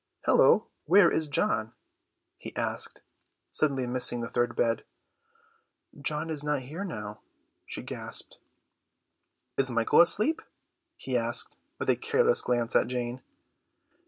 "Hullo, where is John?" he asked, suddenly missing the third bed. "John is not here now," she gasped. "Is Michael asleep?" he asked, with a careless glance at Jane.